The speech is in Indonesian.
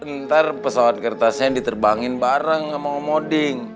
ntar pesawat kertasnya diterbangin bareng sama moding